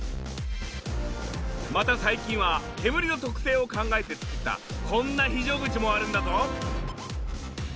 また最近は煙の特性を考えて作ったこんな非常口もあるんだぞ。